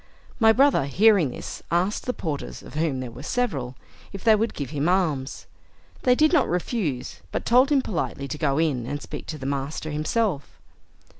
My brother, hearing this, asked the porters, of whom there were several, if they would give him alms. They did not refuse, but told him politely to go in, and speak to the master himself.